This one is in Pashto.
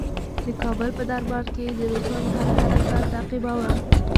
د کابل په دربار کې یې د روسانو هر حرکت تعقیباوه.